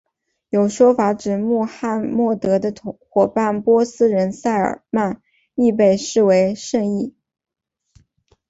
有说法指穆罕默德的伙伴波斯人塞尔曼亦被视为圣裔。